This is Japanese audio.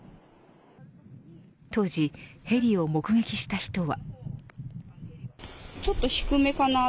当時、ヘリを目撃した人は。